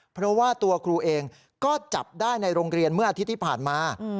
เพราะว่าตัวครูเองก็จับได้ในโรงเรียนเมื่ออาทิตย์ที่ผ่านมา